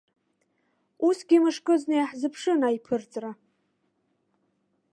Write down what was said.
Усгьы мышкызны иаҳзыԥшын аиԥырҵра.